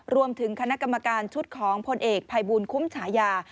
รวมถึงคณะกรรมการชุดของพลเอกภัยบูลคุ้มฉายา